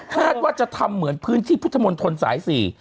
คาดว่าจะทำเหมือนพื้นที่พุทธมนต์ศรษภ์๔